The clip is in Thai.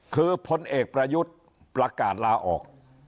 คือพลเอกประยุทธ์ประกาศลาออก